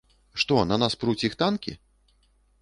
Што, на нас пруць іх танкі?